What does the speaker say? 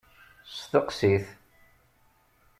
Steqsi-t.